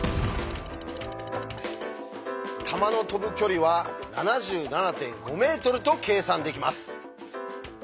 弾の飛ぶ距離は７７．５ｍと計算できます。